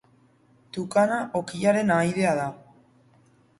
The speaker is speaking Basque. Tukana okilaren ahaidea da.